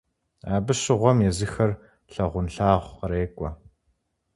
Абы щыгъуэм езыхэр лъагъунлъагъу кърекӀуэ.